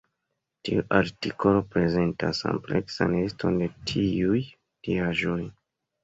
Tiu artikolo prezentas ampleksan liston de tiuj diaĵoj.